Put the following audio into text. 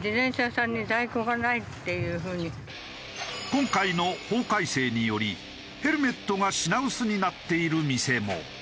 今回の法改正によりヘルメットが品薄になっている店も。